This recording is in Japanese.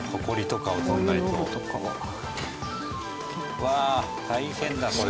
うわ大変だこれ。